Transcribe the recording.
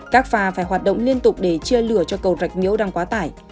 các phà phải hoạt động liên tục để chia lửa cho cầu rạch nhỗ đang quá tải